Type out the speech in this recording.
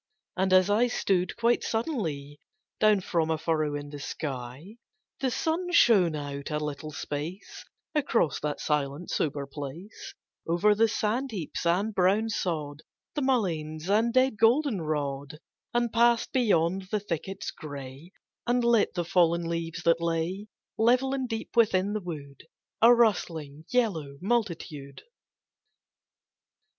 And as I stood, quite suddenly, Down from a furrow in the sky The sun shone out a little space Across that silent sober place, Over the sand heaps and brown sod, The mulleins and dead goldenrod, And passed beyond the thickets gray, And lit the fallen leaves that lay, Level and deep within the wood, A rustling yellow multitude.